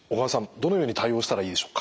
どのように対応したらいいでしょうか。